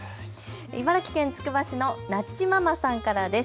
茨城県つくば市のなっちままさんからです。